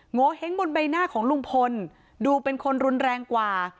โงเห้งบนใบหน้าของลุงพลดูเป็นคนรุนแรงกว่า